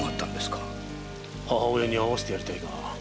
母親に会わせてやりたいが。